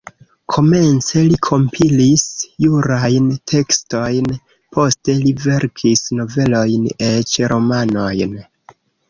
Komence li kompilis jurajn tekstojn, poste li verkis novelojn, eĉ romanojn.